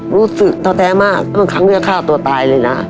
ท้อแท้มากบางครั้งจะฆ่าตัวตายเลยนะ